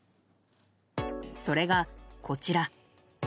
それが、こちら。